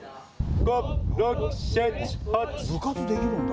部活できるんだ。